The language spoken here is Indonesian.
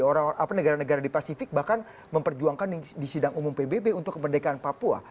orang apa negara negara di pasifik bahkan memperjuangkan di sidang umum pbb untuk kemerdekaan papua